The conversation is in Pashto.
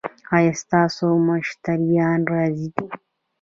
ایا ستاسو مشتریان راضي دي؟